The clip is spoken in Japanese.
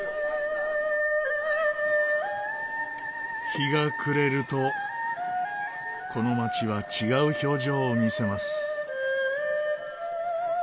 日が暮れるとこの街は違う表情を見せます。